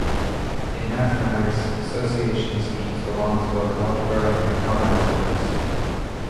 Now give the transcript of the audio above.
In mathematics, association schemes belong to both algebra and combinatorics.